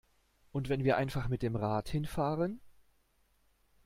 Und wenn wir einfach mit dem Rad hin fahren?